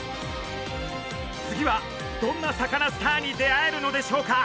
次はどんなサカナスターに出会えるのでしょうか？